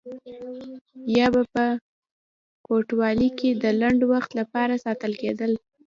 یا به په کوټوالۍ کې د لنډ وخت لپاره ساتل کېدل.